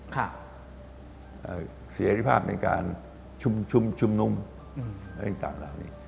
กิจแทรภาพในการชุมนุ่มและก็ไป